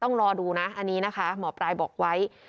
ต้องรอดูนะอันนี้นะคะหมอปลายบอกไว้